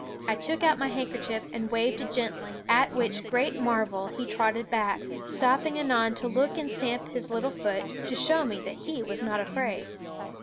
I took out my handkerchief and waved it gently; at which great marvel he trotted back, stopping anon to look and stamp his little foot, to show me that he was not afraid.